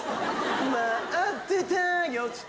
待ってたよ